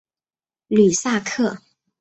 吕萨克。